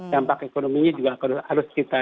dampak ekonominya juga harus kita